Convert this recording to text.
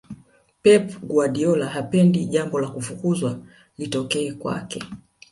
pep guardiola hapendi jambo la kufukuzwa litokea kwake